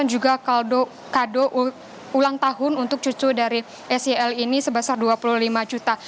dan juga kado ulang tahun untuk cucu dari sl ini sebesar dua puluh lima juta